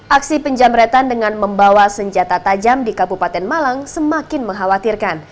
aksi penjamretan dengan membawa senjata tajam di kabupaten malang semakin mengkhawatirkan